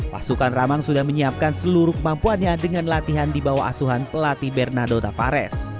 pasukan ramang sudah menyiapkan seluruh kemampuannya dengan latihan di bawah asuhan pelatih bernardo tavares